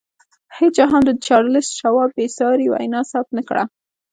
هېچا هم د چارلیس شواب بې ساري وینا ثبت نه کړه